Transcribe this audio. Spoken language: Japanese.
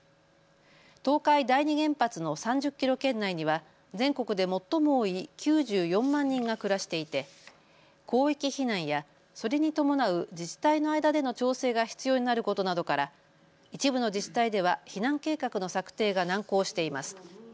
東海第二原発の３０キロ圏内には全国で最も多い９４万人が暮らしていて広域避難やそれに伴う自治体の間での調整が必要になることなどから一部の自治体では避難計画の策定が難航しています。